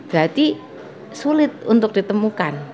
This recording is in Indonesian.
berarti sulit untuk ditemukan